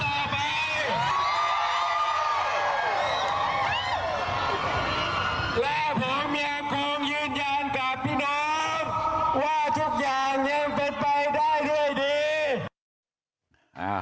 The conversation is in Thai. พี่น้องว่าทุกอย่างยังเป็นไปได้ด้วยดี